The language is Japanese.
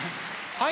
はい！